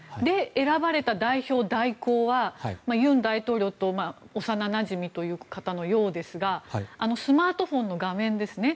選ばれた代表代行は尹大統領と幼なじみという方のようですがスマートフォンの画面ですね